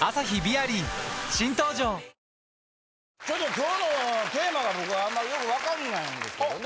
今日のテーマが僕あんまりよく分かんないんですけどね。